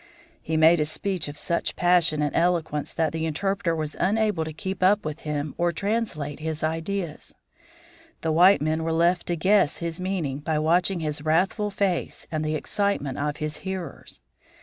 He made a speech of such passion and eloquence that the interpreter was unable to keep up with him or translate his ideas. The white men were left to guess his meaning by watching his wrathful face and the excitement of his hearers.